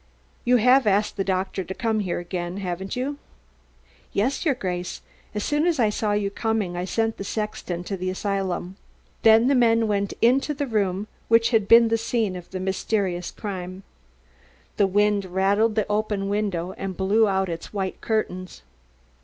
You have asked the doctor to come here again, haven't you?" "Yes, your Grace! As soon as I saw you coming I sent the sexton to the asylum." Then the men went in again into the room which had been the scene of the mysterious crime. The wind rattled the open window and blew out its white curtains.